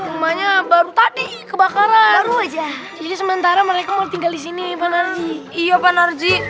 semuanya baru tadi kebakaran jadi sementara mereka mau tinggal di sini iya pak narji rumahnya itu